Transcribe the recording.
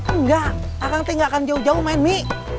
enggak akang teh gak akan jauh jauh main mi